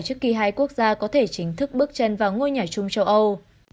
trước khi hai quốc gia có thể chính thức bước chân vào ngôi nhà chung châu âu